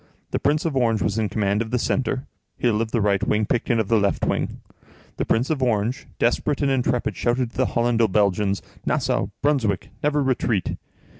The Prince of Orange was in command of the centre, Hill of the right wing, Picton of the left wing. The Prince of Orange, desperate and intrepid, shouted to the Hollando Belgians: "Nassau! Brunswick! Never retreat!"